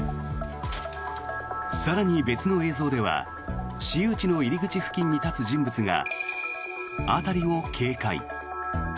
更に、別の映像では私有地の入り口付近に立つ人物が辺りを警戒。